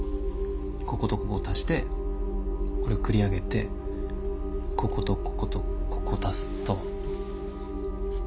こことここを足してこれ繰り上げてこことこことここ足すと。